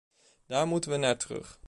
Daar moeten we naar terug.